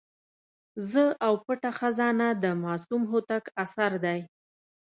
زه او پټه خزانه د معصوم هوتک اثر دی.